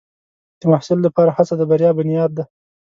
د محصل لپاره هڅه د بریا بنیاد دی.